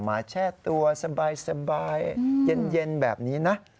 แช่ตัวสบายเย็นแบบนี้นะ